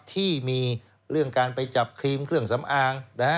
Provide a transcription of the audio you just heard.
ที่มีเรื่องการไปจับครีมเครื่องสำอาง